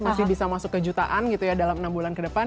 masih bisa masuk ke jutaan gitu ya dalam enam bulan ke depan